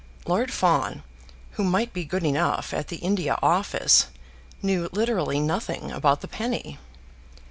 Lord Fawn, who might be good enough at the India Office, knew literally nothing about the penny.